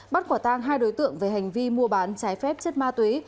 bắt quả tang hai đối tượng về hành vi mua bán trái phép chất ma túy